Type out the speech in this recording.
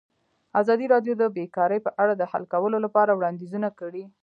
ازادي راډیو د بیکاري په اړه د حل کولو لپاره وړاندیزونه کړي.